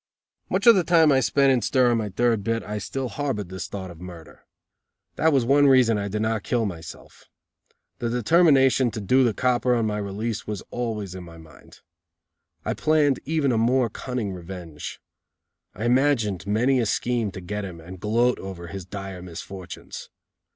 Much of the time I spent in stir on my third bit I still harbored this thought of murder. That was one reason I did not kill myself. The determination to do the copper on my release was always in my mind. I planned even a more cunning revenge. I imagined many a scheme to get him, and gloat over his dire misfortunes.